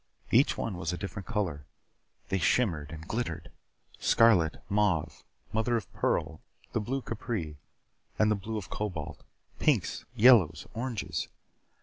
Each one was a different color. They shimmered and glittered. Scarlet, mauve, mother of pearl, the blue Capri, and the blue of cobalt. Pinks, yellows, oranges.